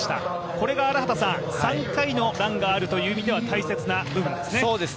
これが３回のランがあるという意味では大切な部分ですね。